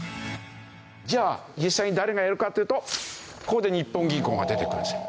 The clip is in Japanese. じゃあ実際に誰がやるかっていうとここで日本銀行が出てくるんですよ。